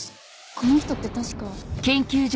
この人って確か。